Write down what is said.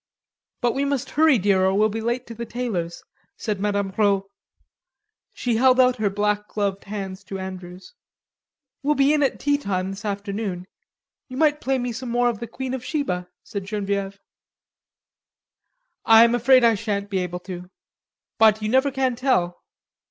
"But we must hurry, dear, or we'll be late to the tailor's," said Mme. Rod. She held out her black gloved hand to Andrews. "We'll be in at tea time this afternoon. You might play me some more of the 'Queen of Sheba,'" said Genevieve. "I'm afraid I shan't be able to, but you never can tell....